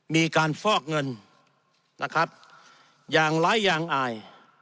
มีการฟอกเงินนะครับอย่างไร้อย่างอาย